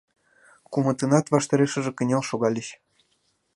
Кумытынат ваштарешыже кынел шогальыч.